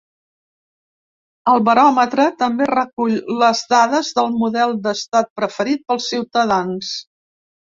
El baròmetre també recull les dades del model d’estat preferit pels ciutadans.